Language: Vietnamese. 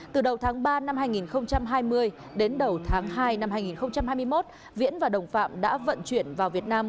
từ đầu tháng ba năm hai nghìn hai mươi đến đầu tháng hai năm hai nghìn hai mươi một viễn và đồng phạm đã vận chuyển vào việt nam